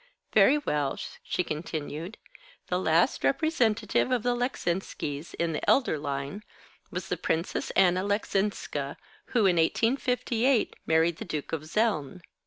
Very well," she continued, "the last representative of the Leczinskis, in the elder line, was the Princess Anna Leczinska, who, in 1858, married the Duke of Zeln.